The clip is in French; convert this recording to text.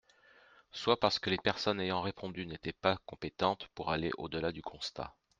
Soit parce que les personnes ayant répondu n’étaient pas compétentes pour aller au-delà du constat.